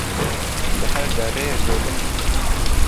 Li her derê lêde.